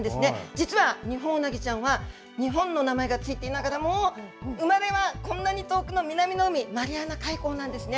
実は、ニホンウナギちゃんは日本の名前がついていながらも生まれはこんなに遠くの南の海マリアナ海溝なんですね。